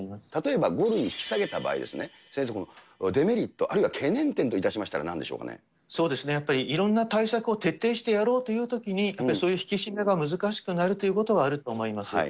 例えば、５類に引き下げた場合、先生、デメリット、あるいは懸念点というのはなんでしょうかやっぱりいろんな対策を徹底してやろうというときに、そういう引き締めが難しくなるということはあると思います。